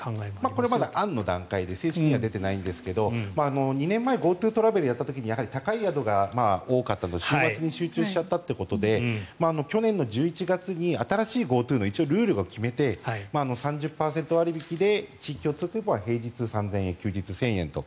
これは案の段階で正式には出ていないんですが２年前ＧｏＴｏトラベルをやった時に高い宿が多かったので週末に集中したので去年の１１月に新しいＧｏＴｏの一応、ルールを決めて３０％割引きで地域共通クーポンは平日３０００円休日１０００円と。